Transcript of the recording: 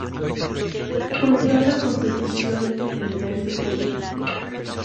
Volvió a la competición en el mes de junio.